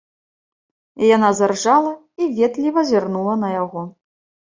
Яна заржала і ветліва зірнула на яго.